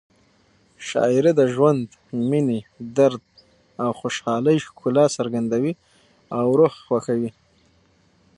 شاعري د ژوند، مینې، درد او خوشحالۍ ښکلا څرګندوي او روح خوښوي.